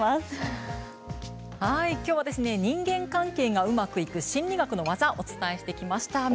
きょうは人間関係がうまくいく心理学の技をお伝えしてきました。